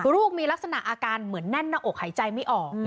ลูกมีลักษณะอาการเหมือนแน่นหน้าอกหายใจไม่ออก